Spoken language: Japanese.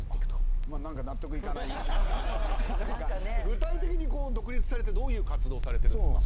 具体的にこう独立されてどういう活動されてるんですか？